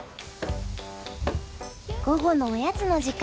午後のおやつの時間。